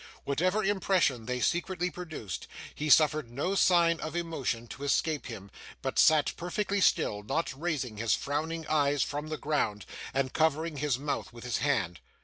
Whatever impression they secretly produced, he suffered no sign of emotion to escape him, but sat perfectly still, not raising his frowning eyes from the ground, and covering his mouth with his hand.